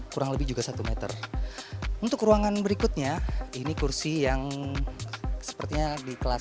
kurang lebih juga satu meter untuk ruangan berikutnya ini kursi yang sepertinya di kelas